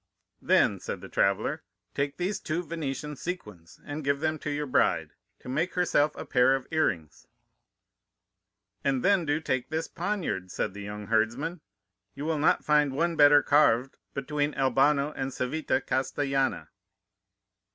"'Then,' said the traveller, 'take these two Venetian sequins and give them to your bride, to make herself a pair of earrings.' "'And then do you take this poniard,' said the young herdsman; 'you will not find one better carved between Albano and Civita Castellana.